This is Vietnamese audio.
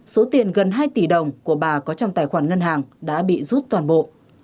số tiền gần hai tỷ đồng của bà có trong tài khoản ngân hàng đã bị rút toàn bộ